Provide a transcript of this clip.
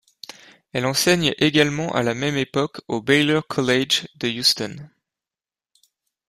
Elle enseigne également à la même époque au Baylor College de Houston.